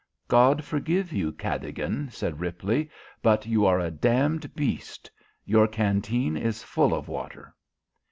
"God forgive you, Cadogan," said Ripley, "but you are a damned beast. Your canteen is full of water."